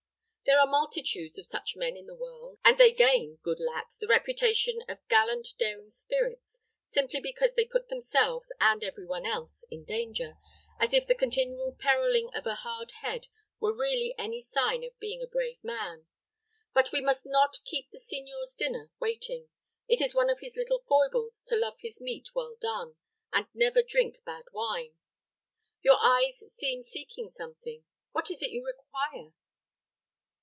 There are multitudes of such men in the world, and they gain, good lack! the reputation of gallant, daring spirits, simply because they put themselves and every one else in danger, as if the continual periling of a hard head were really any sign of being a brave man. But we must not keep the signor's dinner waiting. It is one of his little foibles to love his meat well done, and never drink bad wine. Your eyes seem seeking something. What is it you require?"